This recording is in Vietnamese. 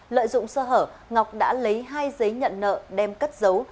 lợi dụng sơ hở ngọc đã lấy hai giấy nhận nợ đem cất dấu